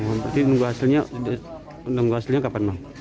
berarti menunggu hasilnya kapan bang